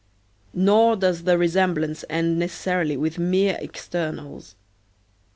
Nor does the resemblance end necessarily with mere externals.